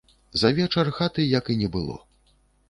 За вечар хаты як і не было.